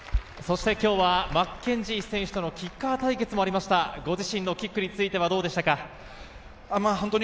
今日はマッケンジー選手とのキッカー対決もありました、ご自身のキックについてはどうでしたか？